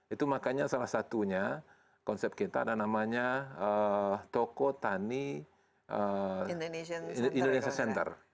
itu makanya salah satunya konsep kita ada namanya toko tani indonesia center